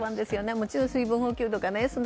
もちろん水分補給とかもね。